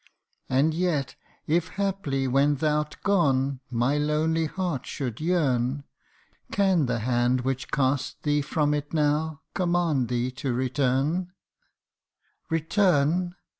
And yet, if haply when thou'rt gone, my lonely heart should yearn Can the hand which casts thee from it now, command thee to return ? Return